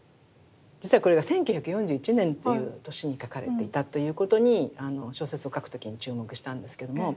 実はこれが１９４１年という年に描かれていたということに小説を書く時に注目したんですけれども。